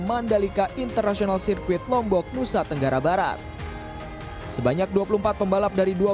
mandalika international circuit lombok nusa tenggara barat sebanyak dua puluh empat pembalap dari dua